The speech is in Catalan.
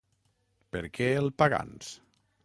Per què el Pagans?